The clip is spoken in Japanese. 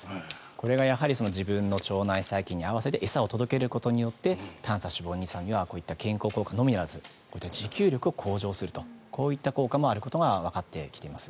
これがやはり自分の腸内細菌に合わせて餌を届けることによって短鎖脂肪酸にはこういった健康効果のみならず持久力を向上するとこういった効果もあることがわかってきています。